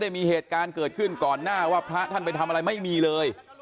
มีเหตุการณ์เกิดขึ้นก่อนหน้าว่าพระท่านไปทำอะไรไม่มีเลย